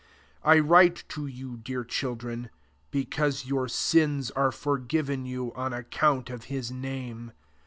'' 12 I write to you, dear child ren, because your sins are for given you on account of his lame.